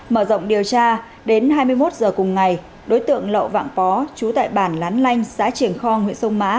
mở rộng điều tra đến hai mươi một h cùng ngày đối tượng lậu vạn pó chú tải bản lán lanh xã triềng khong huyện sông mã